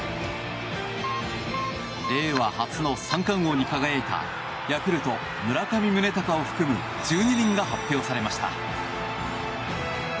令和初の三冠王に輝いたヤクルト、村上宗隆を含む１２人が発表されました。